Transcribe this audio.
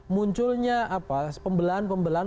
munculnya apa pembelahan pembelahan